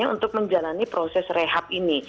untuk menjalani proses rehab ini